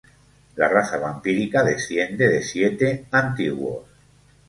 La raza vampírica desciende de siete "Antiguos".